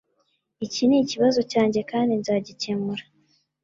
Iki nikibazo cyanjye kandi nzagikemura